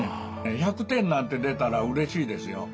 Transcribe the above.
１００点なんて出たらうれしいですよ。